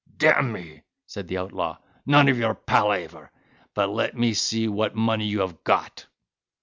"D—me!" said the outlaw, "none of your palaver; but let me see what money you have got."